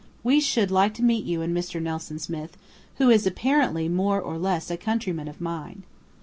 We should so like to meet you and Mr. Nelson Smith, who is, apparently, more or less a countryman of mine.